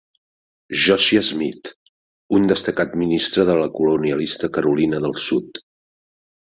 Josiah Smith, un destacat ministre de la colonialista Carolina del Sud.